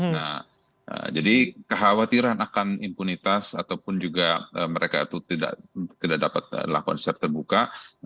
nah jadi kekhawatiran akan impunitas ataupun juga mereka itu tidak dapat lakukan secara terbuka